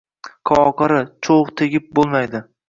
Qovoqari – cho’g’, tegib bo’lmaydi.